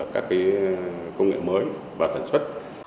các công nghệ mới vào sản xuất